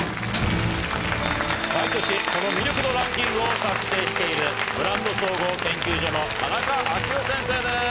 毎年この魅力度ランキングを作成しているブランド総合研究所の田中章雄先生です。